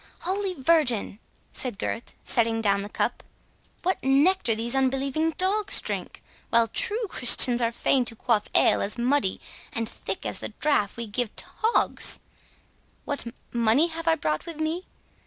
"Holy Virgin!" said Gurth, setting down the cup, "what nectar these unbelieving dogs drink, while true Christians are fain to quaff ale as muddy and thick as the draff we give to hogs!—What money have I brought with me?"